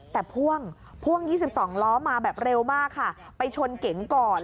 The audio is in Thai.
แต่พ่วงพ่วง๒๒ล้อมาแบบเร็วมากค่ะไปชนเก๋งก่อน